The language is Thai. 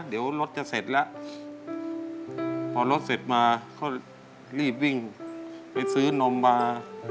เดี๋ยวรถจะเสร็จแล้วพอรถเสร็จมาเขารีบวิ่งไปซื้อนมมา